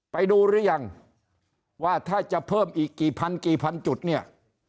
ไปดูหรือยังว่าถ้าจะเพิ่มอีกกี่พันกี่พันจุดเนี่ย